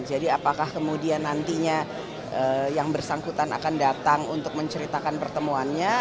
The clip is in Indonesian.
jadi apakah kemudian nantinya yang bersangkutan akan datang untuk menceritakan pertemuannya